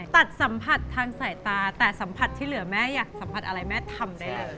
ตัดสัมผัสทางสายตาแต่สัมผัสที่เหลือแม่อยากสัมผัสอะไรแม่ทำได้เลย